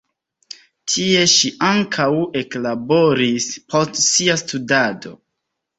Tie ŝi ankaŭ eklaboris post sia studado.